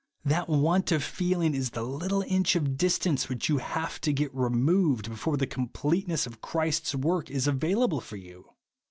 That want of feeling is the little inch of distance which you have to get removed before the completeness of Christ's work is available for you